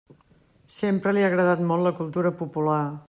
Sempre li ha agradat molt la cultura popular.